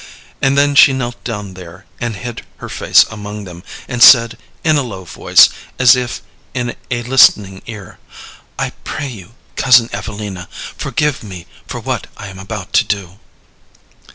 And then she knelt down there, and hid her face among them, and said, in a low voice, as if in a listening ear, "I pray you, Cousin Evelina, forgive me for what I am about to do."